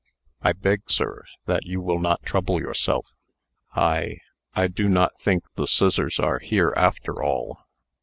"I beg, sir, that you will not trouble yourself. I I do not think the scissors are here, after all."